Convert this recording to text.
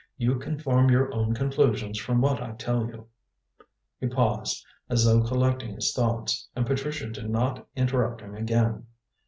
You can form your own conclusions from what I tell you." He paused, as though collecting his thoughts, and Patricia did not interrupt him again.